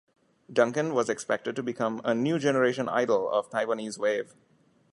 Duncan was expected to become a new generation idol of Taiwanese Wave.